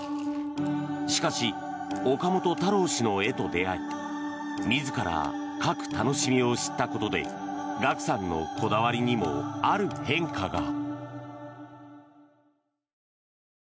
しかし、岡本太郎氏の絵と出会い自ら描く楽しみを知ったことでＧＡＫＵさんのこだわりにもある変化が。